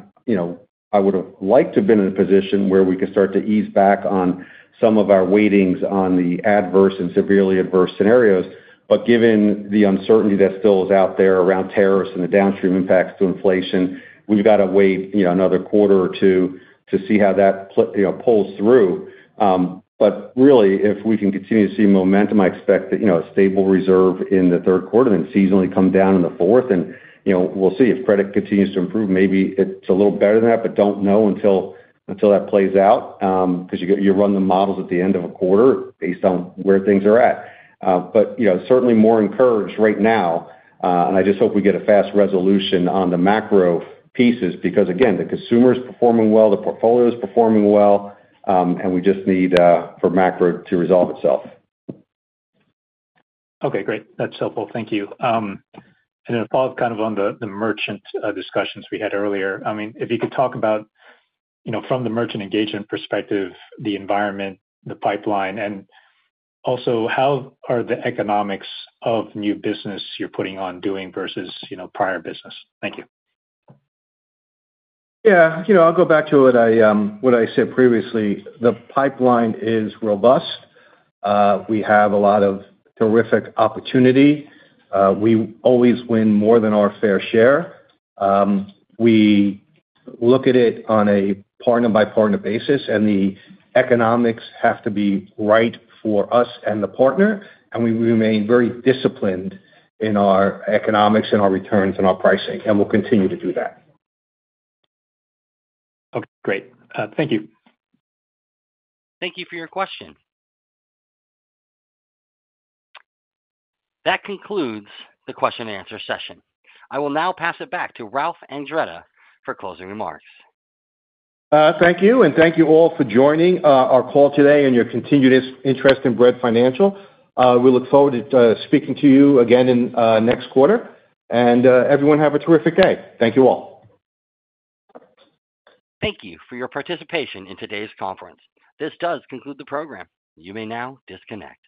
I would have liked to have been in a position where we could start to ease back on some of our weightings on the adverse and severely adverse scenarios. Given the uncertainty that still is out there around tariffs and the downstream impacts to inflation, we've got to wait another quarter or two to see how that pulls through. If we can continue to see momentum, I expect a stable reserve in the third quarter, then seasonally come down in the fourth, and we'll see if credit continues to improve. Maybe it's a little better than that, but don't know until that plays out because you run the models at the end of a quarter based on where things are at. Certainly more encouraged right now. I just hope we get a fast resolution on the macro pieces because again, the consumer is performing well, the portfolio is performing well, and we just need for macro to resolve itself. Okay, great. That's helpful. Thank you. Follow up kind of on the merchant discussions we had earlier. If you could talk about, from the merchant engagement perspective, the environment, the pipeline, and also how are the economics of new business you're putting on doing versus prior business. Thank you. I'll go back to what I said previously. The pipeline is robust. We have a lot of terrific opportunity. We always win more than our fair share. We look at it on a partner by partner basis. The economics have to be right for us and the partner. We remain very disciplined in our economics and our returns and our pricing. We'll continue to do that. Okay, great. Thank you. Thank you for your question. That concludes the question and answer session. I will now pass it back to Ralph Andretta for closing remarks. Thank you. Thank you all for joining our call today and your continued interest in Bread Financial. We look forward to speaking to you again next quarter. Everyone, have a terrific day. Thank you all. Thank you for your participation in today's conference. This does conclude the program. You may now disconnect.